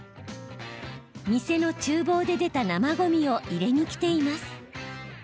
店のちゅう房で出た生ごみを入れに来ています。